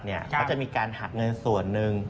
เขาจะมีการหักเงินส่วนหนึ่ง